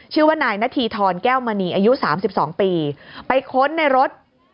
ชื่อว่านายนาธีทรแก้วมณีอายุ๓๒ปีไปค้นในรถ